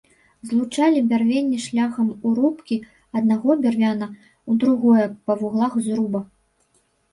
Злучалі бярвенні шляхам урубкі аднаго бервяна ў другое па вуглах зруба.